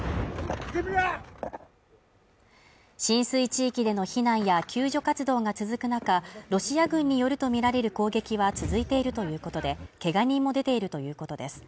浸水地域での避難や救助活動が続く中、ロシア軍によるとみられる攻撃は続いているということで、けが人も出ているということです。